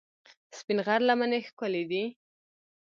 سپین غر لمنې ښکلې دي؟